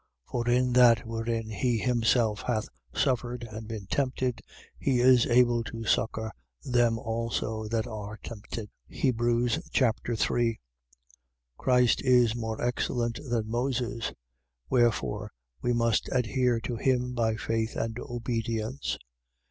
2:18. For in that wherein he himself hath suffered and been tempted he is able to succour them also that are tempted. Hebrews Chapter 3 Christ is more excellent than Moses. Wherefore we must adhere to him by faith and obedience.